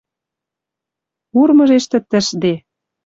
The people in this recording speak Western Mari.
Урмыжеш тӹтӹшде.